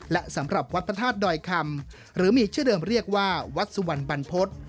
และสำหรับวัดพระธาตุดอยคำหรือมีชื่อเดิมเรียกว่าวัดสุวรรณบรรพฤษ